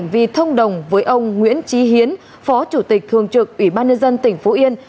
với ông nguyễn trí hiến phó chủ tịch thường trực ủy ban nhân dân tỉnh phú yên